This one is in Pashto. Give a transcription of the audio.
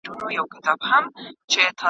موږ د خپلو غلطو پرېکړو قرباني کیږو.